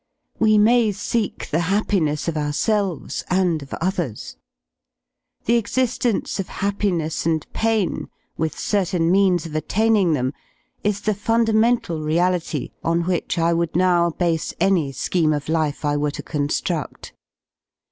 "We may seek the happiness of ourselves and of others. The exigence of happiness and pain, with certain^H^. meansof attainingthem, isthe fundamental reality on which T I would now base any scheme of life I were to con^rudl.